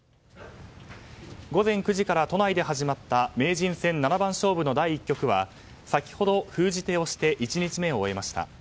午前９時から都内で始まった名人戦七番勝負の第１局は先ほど、封じ手をして１日目を終えました。